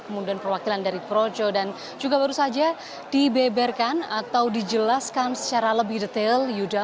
kemudian perwakilan dari projo dan juga baru saja dibeberkan atau dijelaskan secara lebih detail yuda